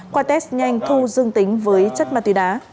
qua test nhanh thu dương tính với chất ma túy đá